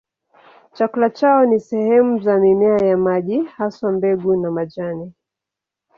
Chakula chao ni sehemu za mimea ya maji, haswa mbegu na majani.